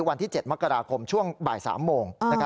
วันที่๗มกราคมช่วงบ่าย๓โมง